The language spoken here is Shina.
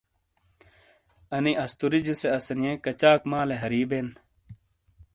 انہ استوریجے سے اسانیئے کچاک مالے ہری بین ۔